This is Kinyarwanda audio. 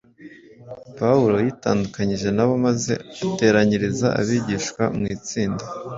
Pawulo yitandukanyije na bo maze ateranyiriza abigishwa mu itsinda,